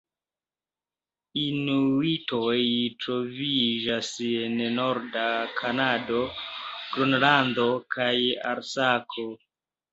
Inuitoj troviĝas en norda Kanado, Gronlando kaj Alasko.